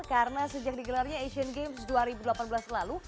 karena sejak digelarnya asian games dua ribu delapan belas lalu